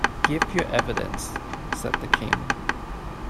‘Give your evidence,’ said the King.